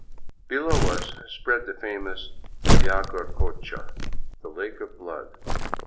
Below us spread the famous Yaguarcocha, the " Lake of Blood."